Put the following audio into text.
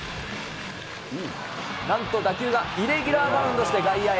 なんと打球がイレギュラーバウンドして、外野へ。